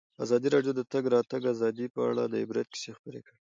ازادي راډیو د د تګ راتګ ازادي په اړه د عبرت کیسې خبر کړي.